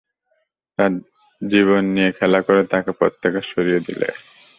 তার জীবন নিয়ে খেলা করে তাকে পথ থেকে সরিয়ে দিলে।